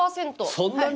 そんなに？